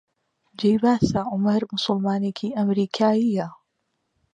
جێی باسە عومەر موسڵمانێکی ئەمریکایییە